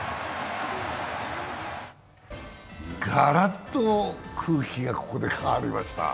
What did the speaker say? がらっと空気がここで変わりました。